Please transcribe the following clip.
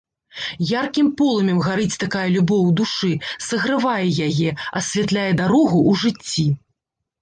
Яркім полымем гарыць такая любоў у душы, сагравае яе, асвятляе дарогу ў жыцці.